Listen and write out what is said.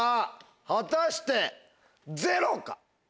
果たしてゼロか？